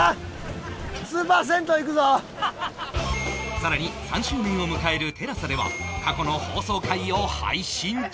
さらに３周年を迎える ＴＥＬＡＳＡ では過去の放送回を配信中